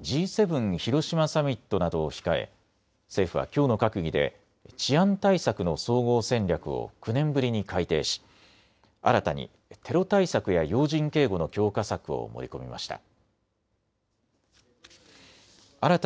Ｇ７広島サミットなどを控え政府はきょうの閣議で治安対策の総合戦略を９年ぶりに改定し新たにテロ対策や要人警護の強化策を盛り込みました。